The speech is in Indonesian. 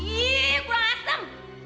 ih kurang asem